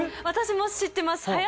私も知ってます。